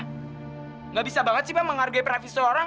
nggak bisa banget sih pak menghargai prafis seorang